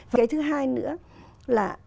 cái thứ hai nữa là